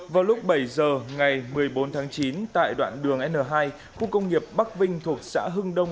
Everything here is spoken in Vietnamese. vào lúc bảy giờ ngày một mươi bốn tháng chín tại đoạn đường n hai khu công nghiệp bắc vinh thuộc xã hưng đông